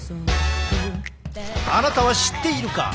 あなたは知っているか？